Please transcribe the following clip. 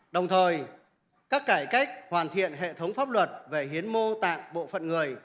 đồng thời các cải cách hoàn thiện hệ thống pháp luật về hiến mô tạng bộ phận người